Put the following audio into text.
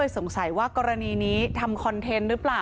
สงสัยว่ากรณีนี้ทำคอนเทนต์หรือเปล่า